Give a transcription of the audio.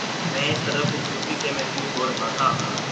میں اس قدر خوبصورتی سے محظوظ ہو رہا تھا